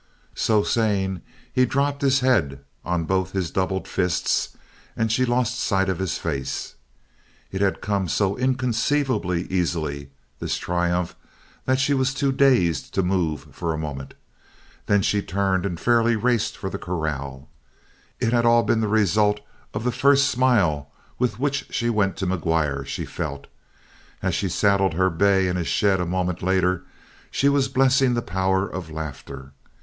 So saying, he dropped his head on both his doubled fists, and she lost sight of his face. It had come so inconceivably easily, this triumph, that she was too dazed to move, for a moment. Then she turned and fairly raced for the corral. It had all been the result of the first smile with which she went to McGuire, she felt. And as she saddled her bay in a shed a moment later she was blessing the power of laughter.